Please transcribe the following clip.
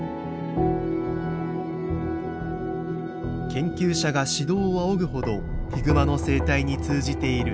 研究者が指導を仰ぐほどヒグマの生態に通じている藤本。